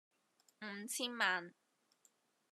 五千萬